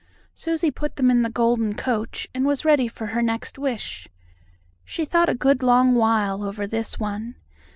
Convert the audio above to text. Susie put them in the golden coach, and was ready for her next wish. She thought a good long while over this one.